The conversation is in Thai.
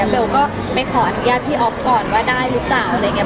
เบลก็ไปขออนุญาตพี่อ๊อฟก่อนว่าได้หรือเปล่า